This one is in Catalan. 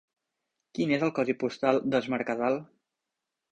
Quin és el codi postal d'Es Mercadal?